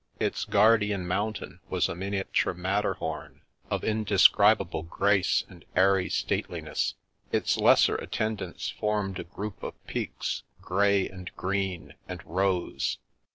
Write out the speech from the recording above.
Its guardian mountain was a miniature Matterhom of indescribable grace and airy stateliness; its lesser attendants formed a group of peaks, grey and green and rose.